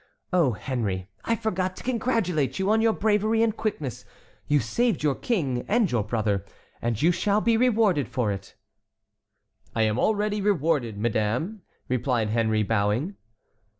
Oh, Henry, I forgot to congratulate you on your bravery and quickness. You saved your king and your brother, and you shall be rewarded for it." "I am already rewarded, madame," replied Henry, bowing.